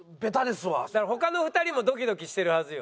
だから他の２人もドキドキしてるはずよ。